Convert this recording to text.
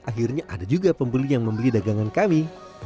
akhirnya ada juga pembeli yang membeli dagangan kami